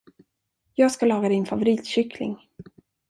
Jag ska laga din favoritkyckling.